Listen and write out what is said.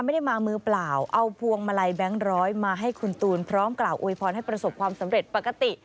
ไม่ได้มามือเปล่าเอาพวงมาลัยแบงค์ร้อยมาให้คุณตูนพร้อมกล่าวอวยพรให้ประสบความสำเร็จปกติ